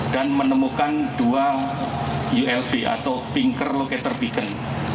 dan menemukan dua ulb atau pinker locator beacon